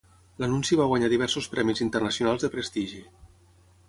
L'anunci va guanyar diversos premis internacionals de prestigi.